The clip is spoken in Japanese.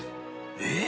えっ！？